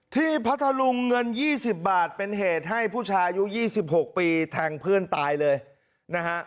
ที่พระทะลุงเงินยี่สิบบาทเป็นเหตุให้ผู้ชายูยี่สิบหกปีแทงเพื่อนตายเลยนะฮะ